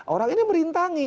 orang ini merintangi